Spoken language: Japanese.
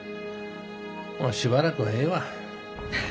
もうしばらくはええわ。